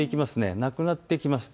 なくなっていきます。